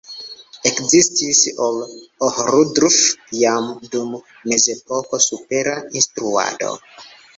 Ekzistis en Ohrdruf jam dum Mezepoko supera instruado.